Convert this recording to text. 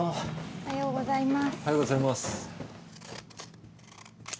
おはようございます。